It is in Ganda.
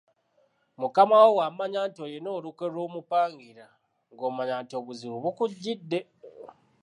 Mukama wo bw’amanya nti olina olukwe lw’omupangira ng’omanya nti obuzibu bukujjidde.